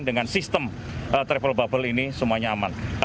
dengan sistem travel bubble ini semuanya aman